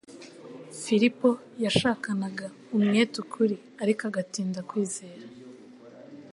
Filipo yashakanaga umwete ukuri, ariko agatinda kwizera.